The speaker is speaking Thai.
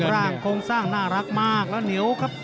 โครงสร้างน่ารักมากแล้วเหนียวครับ